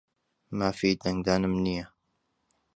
مافی دەنگدانم نییە.